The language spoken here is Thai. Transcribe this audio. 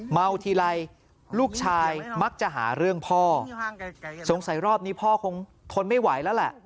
เมาทีไรลูกชายมักจะหาเรื่องพ่อสงสัยรอบนี้พ่อคงทนไม่ไหวแล้วแหละ